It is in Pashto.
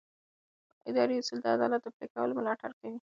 اداري اصول د عدالت د پلي کولو ملاتړ کوي.